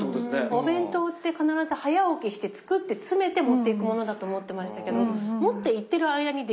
お弁当って必ず早起きして作って詰めて持っていくものだと思ってましたけど持っていってる間に出来上がるって。